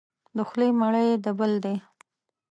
د خولې مړی یې د بل دی.